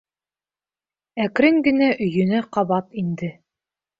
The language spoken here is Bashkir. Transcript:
Әкрен генә өйөнә ҡабат инде.